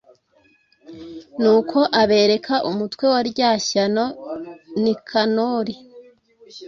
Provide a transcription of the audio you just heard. nuko abereka umutwe wa rya shyano nikanori